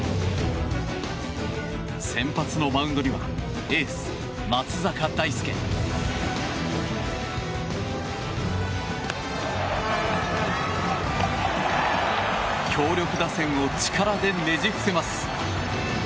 先発のマウンドにはエース、松坂大輔。強力打線を力でねじ伏せます。